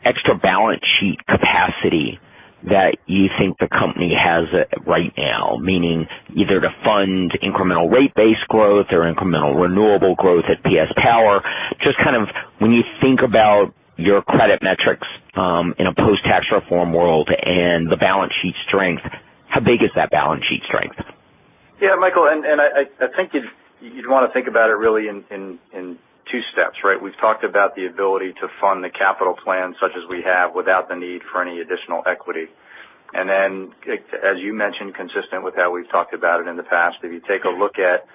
extra balance sheet capacity that you think the company has right now, meaning either to fund incremental rate base growth or incremental renewable growth at PSEG Power? Just when you think about your credit metrics in a post-tax reform world and the balance sheet strength, how big is that balance sheet strength? Yeah, Michael, I think you'd want to think about it really in two steps, right? We've talked about the ability to fund the capital plan such as we have without the need for any additional equity. As you mentioned, consistent with how we've talked about it in the past, if you take a look at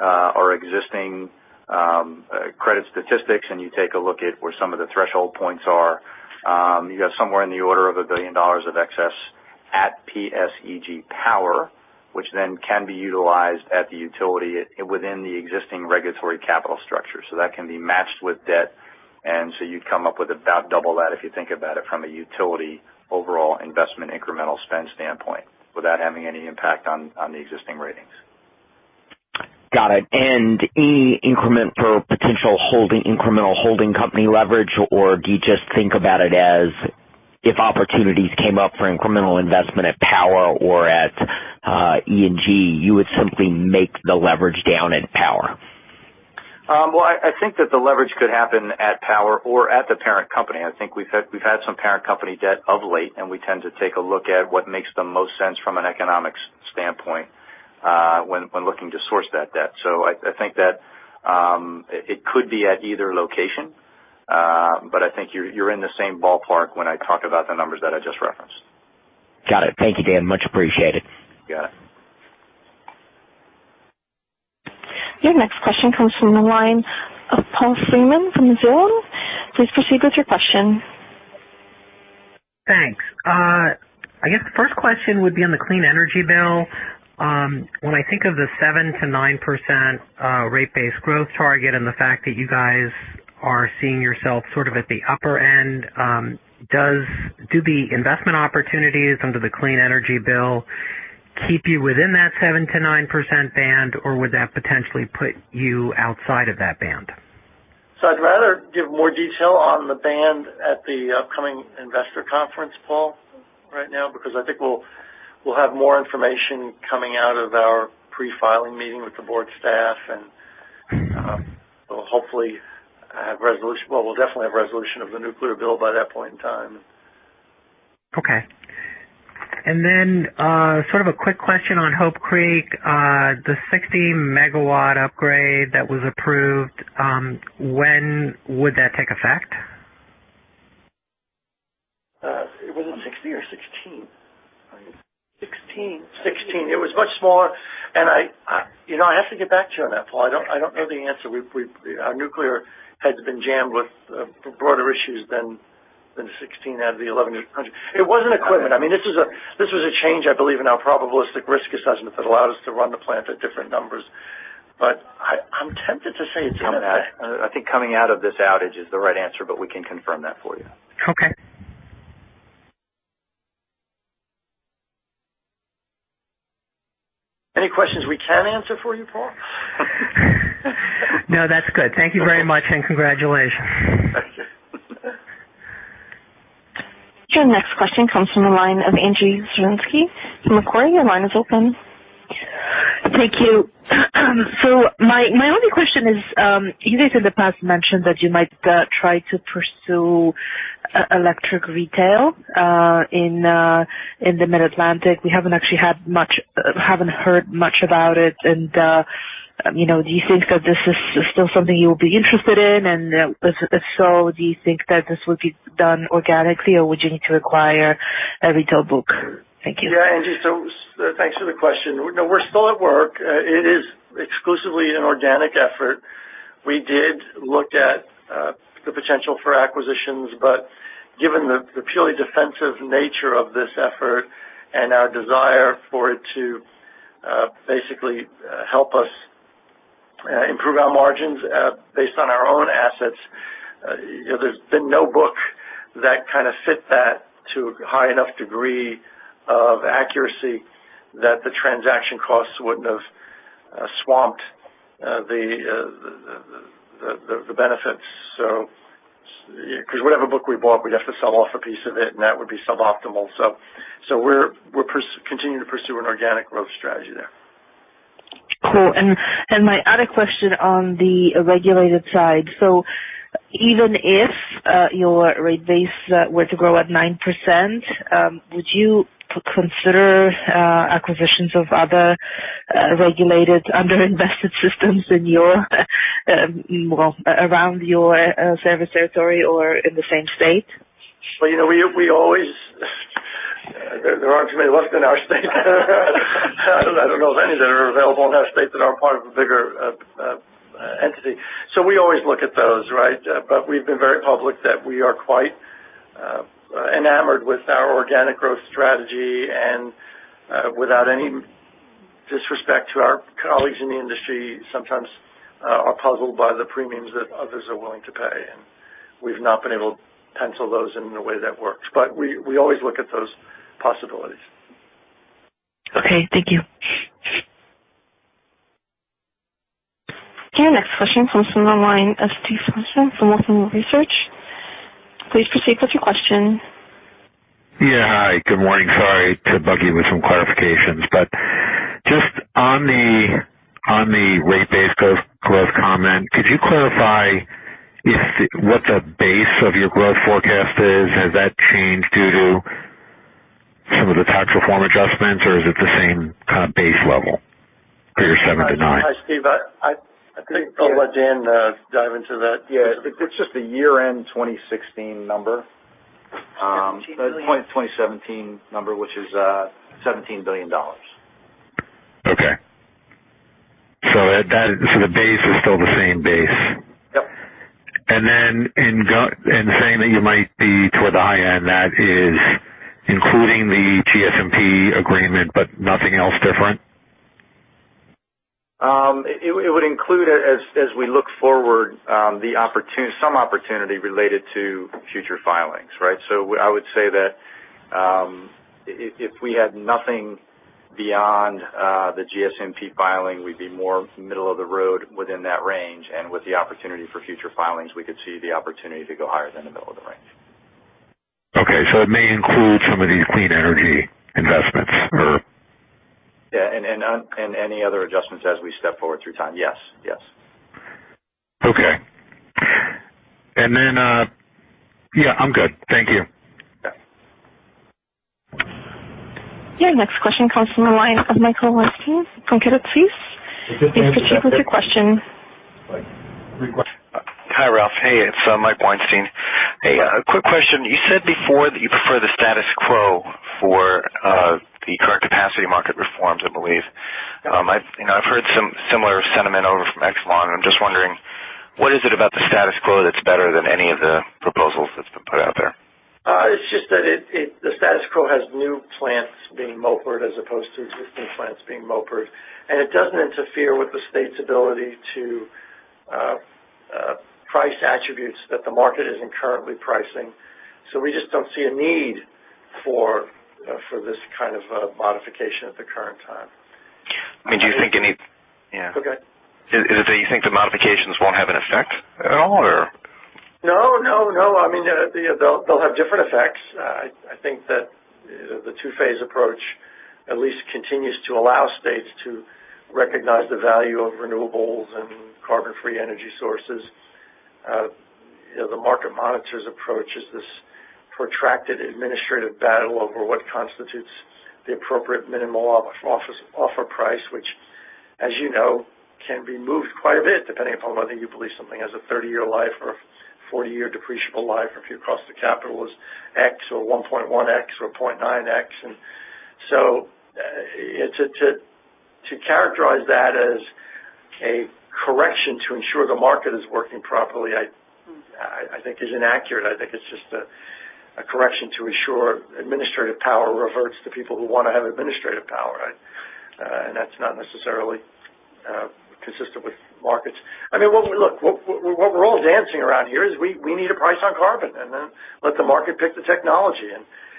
our existing credit statistics and you take a look at where some of the threshold points are, you've got somewhere in the order of $1 billion of excess at PSEG Power, which then can be utilized at the utility within the existing regulatory capital structure. That can be matched with debt, you'd come up with about double that if you think about it from a utility overall investment incremental spend standpoint without having any impact on the existing ratings. Got it. Any increment for potential incremental holding company leverage, or do you just think about it as if opportunities came up for incremental investment at Power or at PSE&G, you would simply make the leverage down at Power? Well, I think that the leverage could happen at Power or at the parent company. I think we've had some parent company debt of late, we tend to take a look at what makes the most sense from an economics standpoint when looking to source that debt. I think that it could be at either location, I think you're in the same ballpark when I talk about the numbers that I just referenced. Got it. Thank you, Dan. Much appreciated. You got it. Your next question comes from the line of Paul Fremont from Mizuho. Please proceed with your question. Thanks. I guess the first question would be on the Clean Energy Act. When I think of the 7%-9% rate base growth target and the fact that you guys are seeing yourself sort of at the upper end, do the investment opportunities under the Clean Energy Act keep you within that 7%-9% band, or would that potentially put you outside of that band? I'd rather give more detail on the band at the upcoming investor conference, Paul, right now, because I think we'll have more information coming out of our pre-filing meeting with the board staff, and we'll definitely have resolution of the nuclear bill by that point in time. Okay. Sort of a quick question on Hope Creek. The 60-megawatt upgrade that was approved, when would that take effect? Was it 60 or 16? 16. 16. It was much smaller. I have to get back to you on that, Paul. I don't know the answer. Our nuclear has been jammed with broader issues than the 16 out of the 11. It wasn't equipment. This was a change, I believe, in our probabilistic risk assessment that allowed us to run the plant at different numbers. I'm tempted to say it's coming back. I think coming out of this outage is the right answer, but we can confirm that for you. Okay. Any questions we can answer for you, Paul? No, that's good. Thank you very much, and congratulations. Your next question comes from the line of Angie Storozynski from Macquarie. Your line is open. Thank you. My only question is, you guys in the past mentioned that you might try to pursue electric retail in the Mid-Atlantic. We haven't heard much about it. Do you think that this is still something you will be interested in? If so, do you think that this would be done organically, or would you need to acquire a retail book? Thank you. Yeah, Angie. Thanks for the question. No, we're still at work. It is exclusively an organic effort. We did look at the potential for acquisitions, but given the purely defensive nature of this effort and our desire for it to basically help us improve our margins based on our own assets, there's been no book that kind of fit that to a high enough degree of accuracy that the transaction costs wouldn't have swamped the benefits. Whatever book we bought, we'd have to sell off a piece of it, and that would be suboptimal. We're continuing to pursue an organic growth strategy there. Cool. My other question on the regulated side. Even if your rate base were to grow at 9%, would you consider acquisitions of other regulated under-invested systems around your service territory or in the same state? Well, there aren't too many left in our state. I don't know of any that are available in our state that aren't part of a bigger entity. We always look at those, right? We've been very public that we are quite enamored with our organic growth strategy, and without any Disrespect to our colleagues in the industry, sometimes are puzzled by the premiums that others are willing to pay, we've not been able to pencil those in in a way that works. We always look at those possibilities. Okay, thank you. Your next question comes from the line of Steven Fleishman from Wolfe Research. Please proceed with your question. Yeah, hi. Good morning. Sorry to bug you with some clarifications, just on the rate base growth comment, could you clarify what the base of your growth forecast is? Has that changed due to some of the tax reform adjustments, or is it the same kind of base level for your seven to nine? Hi, Steve. I think I'll let Dan dive into that. Yeah. It's just a year-end 2016 number. 2017 number, which is $17 billion. Okay. The base is still the same base. Yep. In saying that you might be toward the high end, that is including the GSMP agreement, but nothing else different? It would include, as we look forward, some opportunity related to future filings. I would say that if we had nothing beyond the GSMP filing, we'd be more middle of the road within that range. With the opportunity for future filings, we could see the opportunity to go higher than the middle of the range. Okay, it may include some of these clean energy investments or Yeah, any other adjustments as we step forward through time. Yes. Okay. Then, yeah, I'm good. Thank you. Yeah. Your next question comes from the line of Michael Weinstein from Credit Suisse. Please proceed with your question. Hi, Ralph. Hey, it's Mike Weinstein. Hey, a quick question. You said before that you prefer the status quo for the current capacity market reforms, I believe. I've heard some similar sentiment over from Exelon, I'm just wondering, what is it about the status quo that's better than any of the proposals that's been put out there? It's just that the status quo has new plants being MOPRed as opposed to existing plants being MOPRed. It doesn't interfere with the state's ability to price attributes that the market isn't currently pricing. We just don't see a need for this kind of modification at the current time. Do you think any- Okay. Is it that you think the modifications won't have an effect at all, or? No. They'll have different effects. I think that the two-phase approach at least continues to allow states to recognize the value of renewables and carbon-free energy sources. The market monitor's approach is this protracted administrative battle over what constitutes the appropriate minimal offer price, which as you know, can be moved quite a bit depending upon whether you believe something has a 30-year life or 40-year depreciable life, or if your cost of capital is X or 1.1X or 0.9X. To characterize that as a correction to ensure the market is working properly, I think is inaccurate. I think it's just a correction to ensure administrative power reverts to people who want to have administrative power. That's not necessarily consistent with markets. I mean, look, what we're all dancing around here is we need a price on carbon, then let the market pick the technology.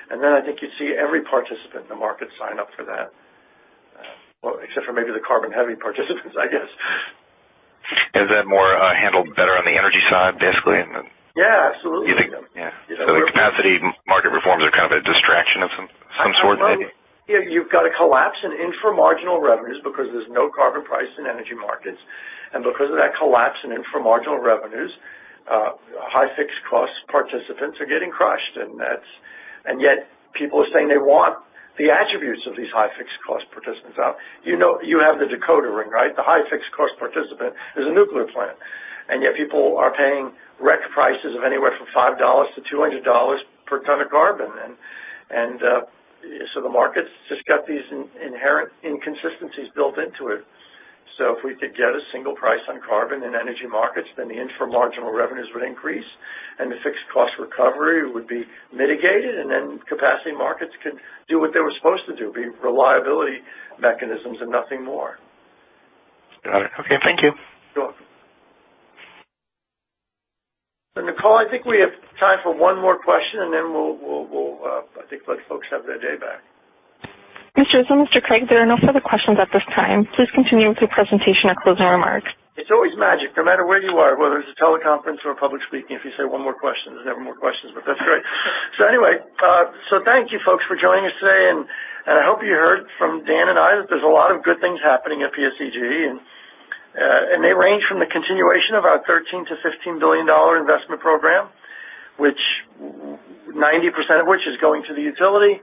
Then I think you'd see every participant in the market sign up for that. Well, except for maybe the carbon-heavy participants, I guess. Is that more handled better on the energy side, basically? Yeah, absolutely. You think the capacity market reforms are kind of a distraction of some sort maybe? You've got a collapse in infra-marginal revenues because there's no carbon price in energy markets. Because of that collapse in infra-marginal revenues, high fixed cost participants are getting crushed. Yet people are saying they want the attributes of these high fixed cost participants. You have the De-contracting. The high fixed cost participant is a nuclear plant. Yet people are paying ZEC prices of anywhere from $5-$200 per ton of carbon. The market's just got these inherent inconsistencies built into it. If we could get a single price on carbon in energy markets, the infra-marginal revenues would increase, the fixed cost recovery would be mitigated. Then capacity markets could do what they were supposed to do, be reliability mechanisms and nothing more. Got it. Okay. Thank you. You're welcome. Nicole, I think we have time for one more question. Then we'll, I think, let folks have their day back. Mr. Izzo, Mr. Cregg, there are no further questions at this time. Please continue with your presentation or closing remarks. It's always magic no matter where you are, whether it's a teleconference or public speaking. If you say one more question, there's never more questions, but that's great. Anyway. Thank you folks for joining us today, and I hope you heard from Dan and I that there's a lot of good things happening at PSEG. They range from the continuation of our $13 billion-$15 billion investment program, 90% of which is going to the utility,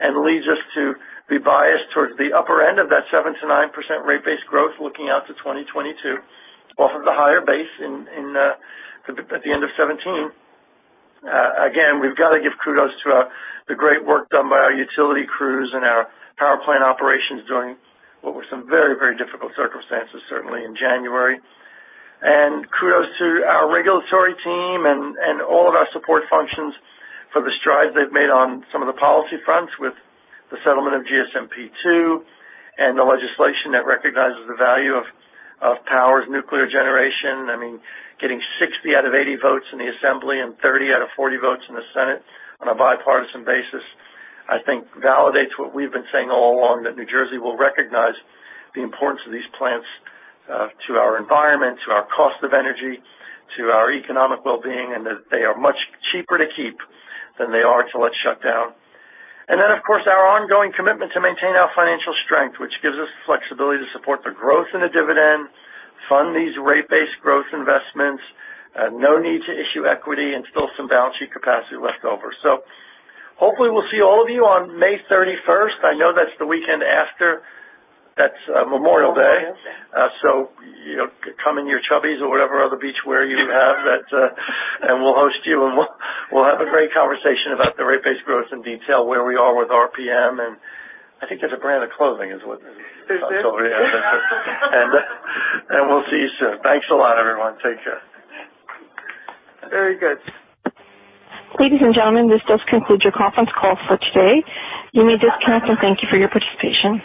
and leads us to be biased towards the upper end of that 7%-9% rate base growth looking out to 2022 off of the higher base at the end of 2017. Again, we've got to give kudos to the great work done by our utility crews and our power plant operations during what were some very difficult circumstances, certainly in January. Kudos to our regulatory team and all of our support functions for the strides they've made on some of the policy fronts with the settlement of GSMP2 and the legislation that recognizes the value of Power's nuclear generation. I mean, getting 60 out of 80 votes in the Assembly and 30 out of 40 votes in the Senate on a bipartisan basis, I think validates what we've been saying all along, that New Jersey will recognize the importance of these plants to our environment, to our cost of energy, to our economic well-being, and that they are much cheaper to keep than they are to let shut down. Of course, our ongoing commitment to maintain our financial strength, which gives us the flexibility to support the growth in the dividend, fund these rate base growth investments, no need to issue equity, and still some balance sheet capacity left over. Hopefully we'll see all of you on May 31st. I know that's the weekend after. That's Memorial Day. Come in your Chubbies or whatever other beachwear you have, and we'll host you, and we'll have a great conversation about the rate base growth in detail, where we are with RPM, and I think there's a brand of clothing is what- Is it? We'll see you soon. Thanks a lot, everyone. Take care. Very good. Ladies and gentlemen, this does conclude your conference call for today. You may disconnect. Thank you for your participation.